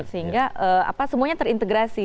sehingga apa semuanya terintegrasi